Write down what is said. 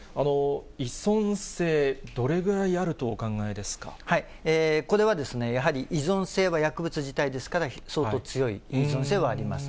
依存性、どれぐらいあるとおこれは、やはり依存性は薬物自体ですから、相当強い依存性はあります。